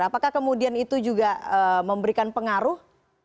apakah kemudian itu juga memberikan pengaruh